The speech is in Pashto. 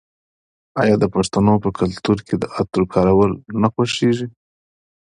آیا د پښتنو په کلتور کې د عطرو کارول نه خوښیږي؟